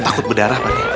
takut berdarah pakde